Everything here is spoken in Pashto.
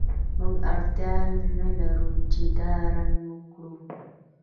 موږ اړتیا نلرو چې دا رنګ کړو